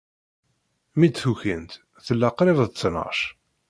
Mi d-tukint, tella qrib d ttnac.